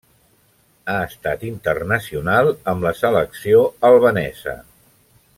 Ha estat internacional amb la selecció albanesa.